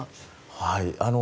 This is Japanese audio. はい。